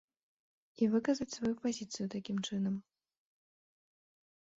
І выказаць сваю пазіцыю такім чынам.